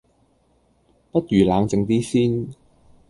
不如冷靜啲先